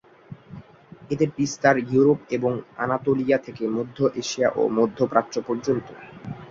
এদের বিস্তার ইউরোপ এবং আনাতোলিয়া থেকে মধ্য এশিয়া ও মধ্যপ্রাচ্য পর্যন্ত।